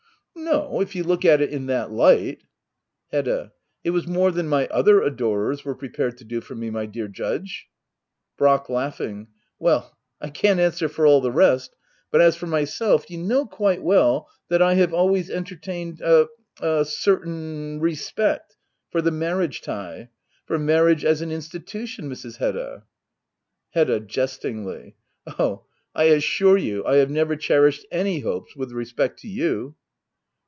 No — if you look at it in that light Hedda. It was more than my other adorers were prepared to do for me^ my dear Judge. Brack. Well, I can't answer for all the rest ; but as for myself^ you know quite well that I have always entertained a — a certain respect for the marriage tie — for marriage as an institutioiii Mrs. Hedda. Hedda. [Jestingly,] Oh^ I assure you I have never cherished any hopes with respect to you.